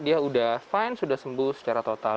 dia sudah fine sudah sembuh secara total